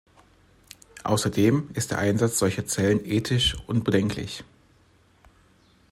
Außerdem ist der Einsatz solcher Zellen ethisch unbedenklich.